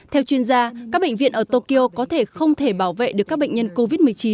theo chuyên gia các bệnh viện ở tokyo có thể không thể bảo vệ được các bệnh nhân covid một mươi chín